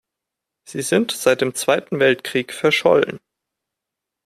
Sie sind seit dem Zweiten Weltkrieg verschollen.